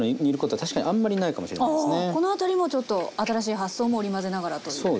あこの辺りもちょっと新しい発想も織り交ぜながらという。